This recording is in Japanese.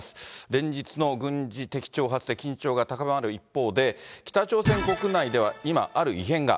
連日の軍事的挑発で緊張が高まる一方で、北朝鮮国内では今、ある異変が。